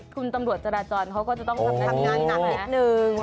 คุณตำรวจจราจรเขาก็จะต้องทำงานหนักนิดนึง